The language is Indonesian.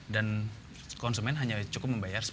dan konsumen hanya cukup membayar